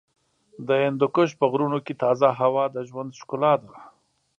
د هندوکش په غرونو کې تازه هوا د ژوند ښکلا ده.